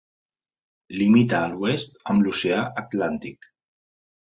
Limita a l'oest amb l'oceà Atlàntic.